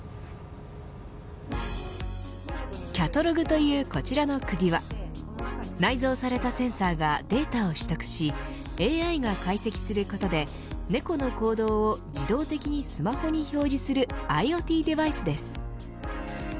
Ｃａｔｌｏｇというこちらの首輪内蔵されたセンサーがデータを取得しＡＩが解析することでネコの行動を自動的にスマホに表示する、ＩｏＴデバイスです。